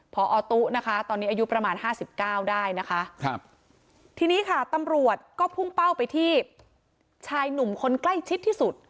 พอตุ๊นะคะตอนนี้อายุประมาณห้าสิบเก้าได้นะคะครับทีนี้ค่ะตำรวจก็พุ่งเป้าไปที่ชายหนุ่มคนใกล้ชิดที่สุด